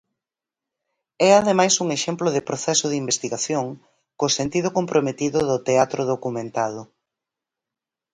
É ademais un exemplo de proceso de investigación, co sentido comprometido do teatro documentado.